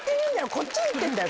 こっちに言ってんだよ。